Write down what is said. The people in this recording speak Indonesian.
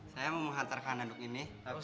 saya mau menghantarkan nanduk ini